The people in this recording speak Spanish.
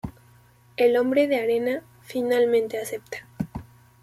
El Hombre de Arena finalmente acepta.